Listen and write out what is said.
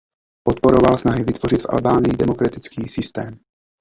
Podporoval snahy vytvořit v Albánii demokratický systém.